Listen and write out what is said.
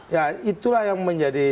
ya itulah yang menjadi